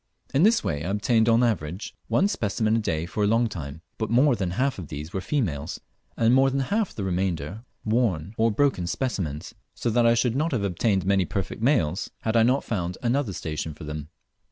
In this way I obtained on an average one specimen a day for a long time, but more than half of these were females, and more than half the remainder worn or broken specimens, so that I should not have obtained many perfect males had I not found another station for them.